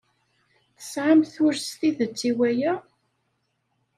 Tesɛamt ul s tidet i waya?